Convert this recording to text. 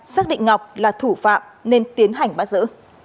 xác định ngọc là thủ phạm nên tiến hành bắt giữ